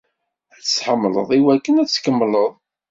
Ad tḥemmleḍ i wakken ad tkemmleḍ.